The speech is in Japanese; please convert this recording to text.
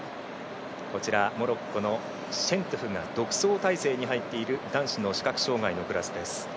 モロッコのシェントゥフが独走態勢に入っている男子の視覚障がいのクラスです。